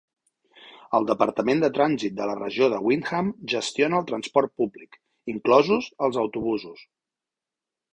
El departament de trànsit de la regió de Windham gestiona el transport públic, inclosos els autobusos.